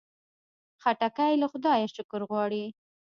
خټکی له خدایه شکر غواړي.